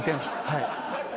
はい。